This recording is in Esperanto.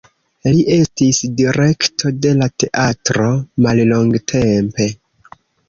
Li estis direkto de la teatro mallongtempe.